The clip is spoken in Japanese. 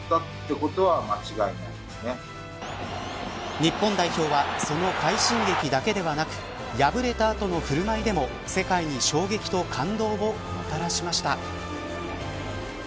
日本代表はその快進撃だけではなく敗れた後の振る舞いでも世界に衝撃と感動をもたらしました。